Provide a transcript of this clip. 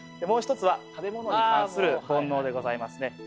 もう一つは食べ物に関する煩悩でございますね。